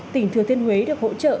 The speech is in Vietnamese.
tỉnh thừa thiên huế được hỗ trợ